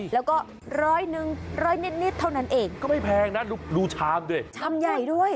แล้วก็ร้อยหนึ่งร้อยนิดนิดเท่านั้นเองก็ไม่แพงนะดูชามดิชามใหญ่ด้วย